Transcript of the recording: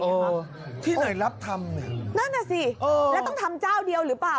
เออที่ไหนรับทำนั่นแหละสิเออแล้วต้องทำเจ้าเดียวหรือเปล่า